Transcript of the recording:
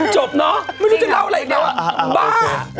จบเนอะไม่รู้จะเล่าอะไรอีกแล้วอ่ะบ้า